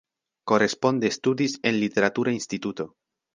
Koresponde studis en Literatura Instituto.